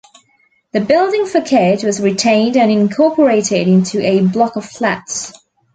The building facade was retained and incorporated into a block of flats.